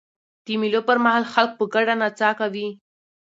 د مېلو پر مهال خلک په ګډه نڅا کوي.